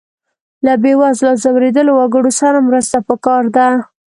له بې وزلو او ځورېدلو وګړو سره مرسته پکار ده.